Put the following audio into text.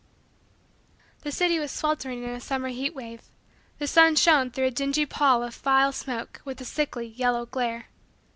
The city was sweltering in a summer heat wave. The sun shone through a dingy pall of vile smoke with a sickly, yellow, glare.